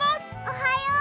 おはよう。